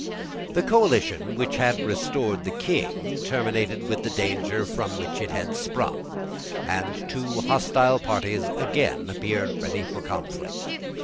The coalition which had restored the King terminated with the danger from which it had sprung; and two hostile parties again appeared ready for conflict.